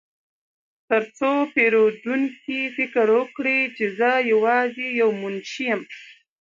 ترڅو پیرودونکي فکر وکړي چې زه یوازې یو منشي یم